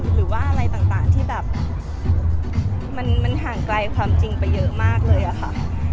หรือว่าอะไรต่างที่แบบมันห่างไกลความจริงไปเยอะมากเลยอะค่ะ